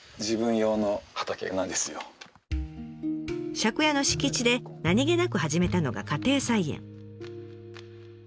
借家の敷地で何気なく始めたのが家庭菜園。